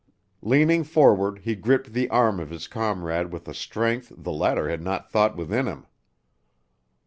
Leaning forward he gripped the arm of his comrade with a strength the latter had not thought within him.